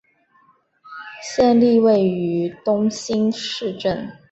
县莅位于东兴市镇。